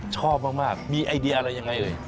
ชอบมากมีไอเดียอะไรยังไงเอ่ย